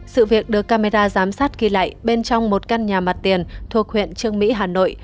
sự việc được camera giám sát ghi lại bên trong một căn nhà mặt tiền thuộc huyện trương mỹ hà nội